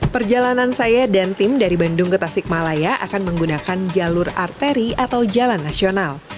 perjalanan saya dan tim dari bandung ke tasik malaya akan menggunakan jalur arteri atau jalan nasional